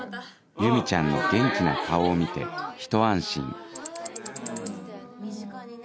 由美ちゃんの元気な顔を見てひと安心身近にね